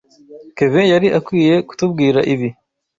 Kevin yari akwiye kutubwira ibi.